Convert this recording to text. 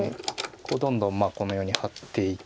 どんどんこのようにハッていって。